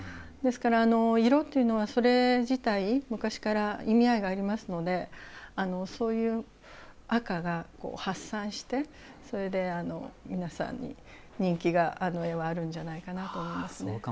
ですから色というのはそれ自体昔から意味合いがありますのでそういう赤が発散してそれで皆さんに人気があの絵はあるんじゃないかなと思いますね。